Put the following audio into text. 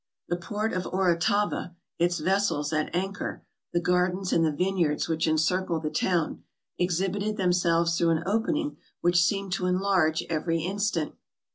The port of Orotava, its vessels at anchor, the gar dens and the vineyards which encircle the town, exhibited themselves through an opening which seemed to enlarge every instant.